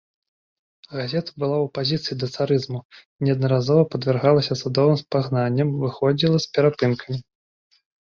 Газета была ў апазіцыі да царызму, неаднаразова падвяргалася судовым спагнанням, выходзіла з перапынкамі.